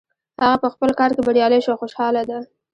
هغه په خپل کار کې بریالی شو او خوشحاله ده